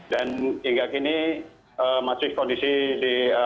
dan hingga kini masih kondisi dianggap tidak terlalu baik